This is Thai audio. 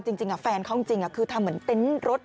จริงแฟนเขาจริงคือทำเหมือนเต็นต์รถ